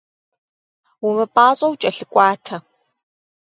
Умыпӏащӏэу кӏэлъыкӏуатэ.